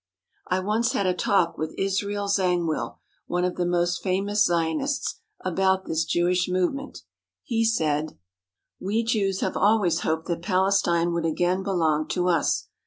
I once had a talk with Israel Zangwill, one of the most famous Zionists, about this Jewish movement. He said: "We Jews have always hoped that Palestine would again belong to us.